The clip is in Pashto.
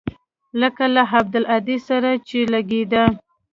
لکه له عبدالهادي سره چې لګېده.